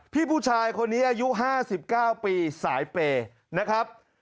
พี่ผู้ชายคนนี้อายุห้าสิบเก้าปีสายเปรย์นะครับ